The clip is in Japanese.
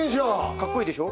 かっこいいでしょ？